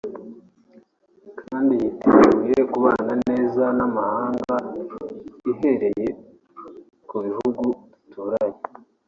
kandi yiteguye kubana neza n’amahanga ihereye ku bihugu duturanye